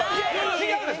違うんです。